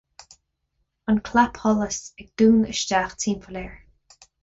an clapsholas ag dúnadh isteach timpeall air